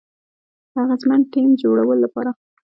د اغیزمن ټیم جوړولو لپاره